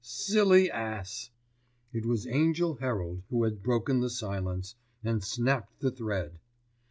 "Silly ass!" It was Angell Herald who had broken the silence, and snapped the thread.